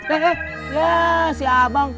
eh ya si abang